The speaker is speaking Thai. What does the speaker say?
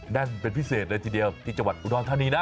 แน่นเป็นพิเศษเลยทีเดียวที่จังหวัดอุดรธานีนะ